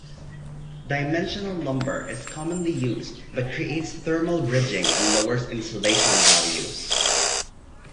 Dimensional lumber is commonly used but creates thermal bridging and lowers insulation values.